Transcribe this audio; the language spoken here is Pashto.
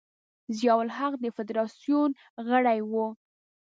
ضیا الحق د فدراسیون غړی و.